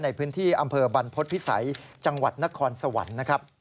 ในพื้นที่อำเภอบรรพฤษภิษัยจังหวัดนครสวรรค์นะครับ